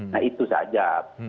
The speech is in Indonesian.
nah itu saja